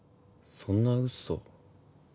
「そんな嘘」か。